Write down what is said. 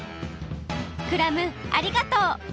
クラムありがとう！